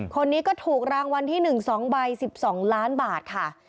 คนนี้ก็ถูกรางวัลที่๑๒ใบ๑๒ล้านบาทค่ะ